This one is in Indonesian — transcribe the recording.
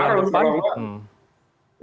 ya harus kalau nggak